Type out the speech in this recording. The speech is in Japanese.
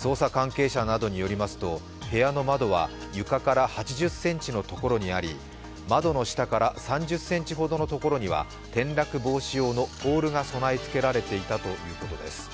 捜査関係者などによりますと、部屋の窓は床から８０ｃｍのところにあり、窓の下から３０ｃｍほどのところには転落防止用のポールが備えつけられていたということです。